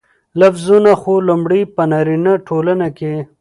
لفظونه خو لومړى په نارينه ټولنه کې